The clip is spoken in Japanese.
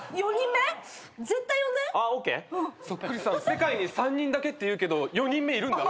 世界に３人だけっていうけど４人目いるんだ。